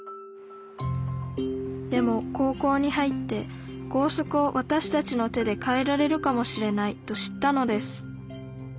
でも高校に入って「校則をわたしたちの手で変えられるかもしれない」と知ったのです。